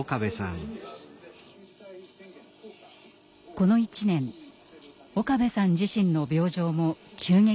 この１年岡部さん自身の病状も急激に進行していました。